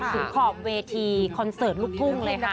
ขอบเวทีคอนเสิร์ตลูกทุ่งเลยค่ะ